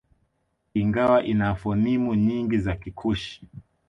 Ingawa ina fonimu nyingi za Kikushi